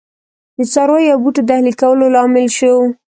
د څارویو او بوټو د اهلي کولو لامل شو.